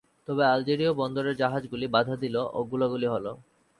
তবে আলজেরীয় বন্দরের জাহাজগুলি বাধা দিল ও গোলাগুলি হলো।